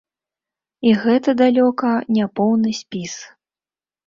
І гэта далёка не поўны спіс.